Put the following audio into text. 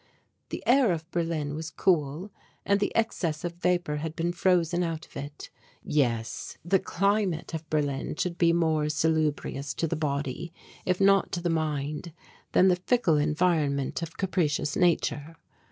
The air of Berlin was cool and the excess of vapor had been frozen out of it. Yes, the "climate" of Berlin should be more salubrious to the body, if not to the mind, than the fickle environment of capricious nature.